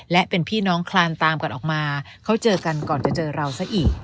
และเป็นพี่น้องคลานตามกันออกมาเขาเจอกันก่อนจะเจอเราซะอีก